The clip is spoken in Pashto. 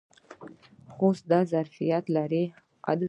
خوست دا ظرفیت لري.